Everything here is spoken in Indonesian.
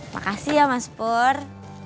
makasih ya mas pur